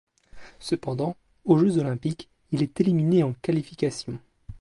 Cependant, aux Jeux olympiques, il est éliminé en qualifications.